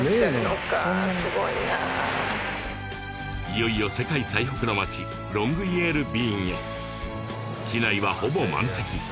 いよいよ世界最北の町・ロングイェールビーンへ機内はほぼ満席